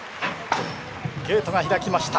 ゲートが開きました。